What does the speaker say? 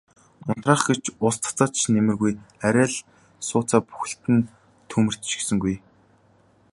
Унтраах гэж ус цацаад ч нэмэргүй арай л сууцаа бүхэлд нь түймэрдчихсэнгүй.